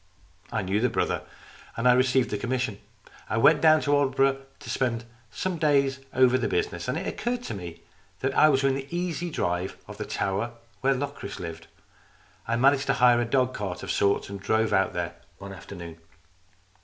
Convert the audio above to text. I knew the brother, and I received the commission. I went down to Aldeburgh to spend some days over the business, and it occurred to me that I was within an easy drive of the tower where Locris lived. I managed to hire a dog cart of sorts, and drove out there one afternoon.